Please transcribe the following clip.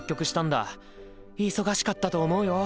忙しかったと思うよ。